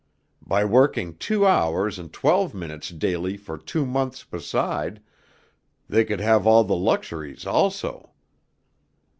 By working two hours and twelve minutes daily for two months beside, they could have all the luxuries also.